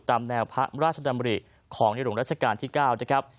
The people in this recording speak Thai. ตามแนวพระราชดำริของในหลวงรัชกาลที่๙นะครับ